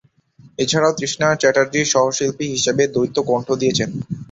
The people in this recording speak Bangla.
এছাড়াও তৃষা চ্যাটার্জি সহ-শিল্পী হিসেবে দ্বৈত কণ্ঠ দিয়েছেন।